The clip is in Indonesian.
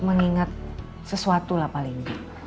mengingat sesuatu lah paling